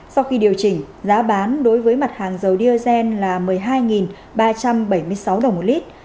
sau khi điều chỉnh giá bán đối với mặt hàng dầu diazen là một mươi hai ba trăm bảy mươi sáu đồng một lít